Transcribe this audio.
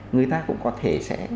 người ta cũng có thể sẽ